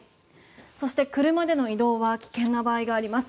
そして、車での移動は危険な場合があります。